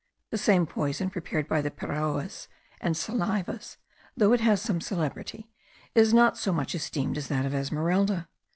The same poison prepared by the Piraoas and Salives, though it has some celebrity, is not so much esteemed as that of Esmeralda.